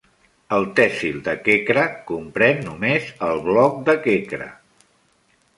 El thesil de Khekra comprèn només el bloc de Khekra.